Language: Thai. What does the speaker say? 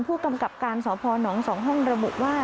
ผู้กำกับการสพน๒ห้องระบุว่า